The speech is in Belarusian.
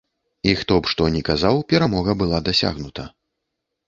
І хто б што ні казаў, перамога была дасягнута.